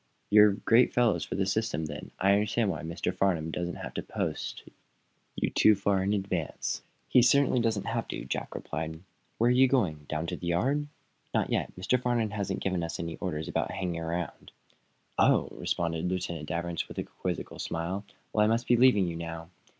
"You're great fellows for system, then. So I understand why Mr. Farnum doesn't have to post you far in advance." "He certainly doesn't have to," Jack relied. "Where are you going? Down to the yard?" "Not yet. Mr. Farnum hasn't given us any instructions about hanging around." "Oh!" responded Lieutenant Danvers, with a quizzical smile. "Well, I must be leaving you, now."